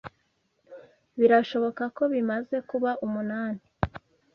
Birashoboka ko bimaze kuba umunani?